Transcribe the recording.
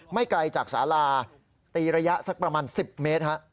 ไกลจากสาลาตีระยะสักประมาณ๑๐เมตร